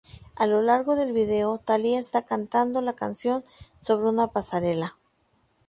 A lo largo del video Thalía está cantando la canción sobre una pasarela.